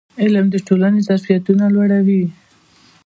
علم د ټولنې ظرفیتونه لوړوي.